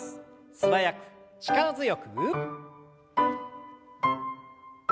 素早く力強く。